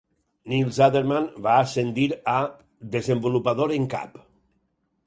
Nils Adermann va ascendir a Desenvolupador en cap.